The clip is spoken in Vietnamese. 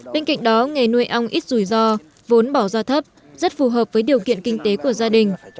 bên cạnh đó nghề nuôi ong ít rủi ro vốn bỏ ra thấp rất phù hợp với điều kiện kinh tế của gia đình